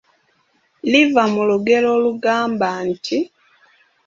Liva mu lugero olugamba nti,